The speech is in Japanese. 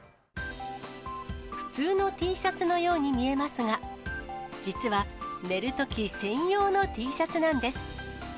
普通のＴシャツのように見えますが、実は寝るとき専用のＴシャツなんです。